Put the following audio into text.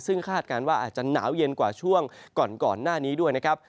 ซึ่งคาดการณ์ว่าอาจจะหนาวเย็นกว่าช่วงก่อนหน้านี้ด้วยนะครับ